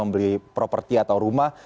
membeli properti atau rumah